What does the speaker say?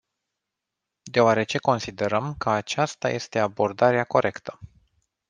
Deoarece considerăm că aceasta este abordarea corectă.